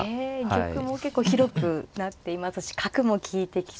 玉も結構広くなっていますし角も利いてきて。